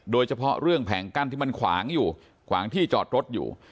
โดยเฉพาะเรื่องแผงกั้นที่มันขวางอยู่ขวางที่จอดรถอยู่